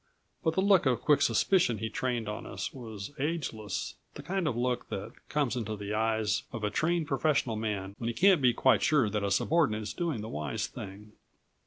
But the look of quick suspicion he trained on us was ageless, the kind of look that comes into the eyes of a trained professional man when he can't be quite sure that a subordinate is doing the wise thing.